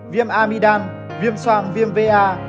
viêm amidam viêm soang viêm va